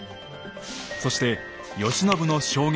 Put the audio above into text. そして慶喜の証言